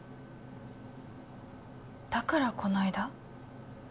だからこの間？